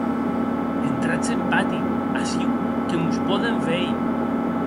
Entratz en pati; aciu que mos pòden veir.